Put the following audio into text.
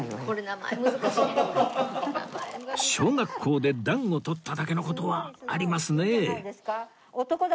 小学校で段を取っただけの事はありますね